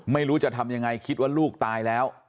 ไม่รู้จะทำยังไงคิดว่าลูกตายแล้ว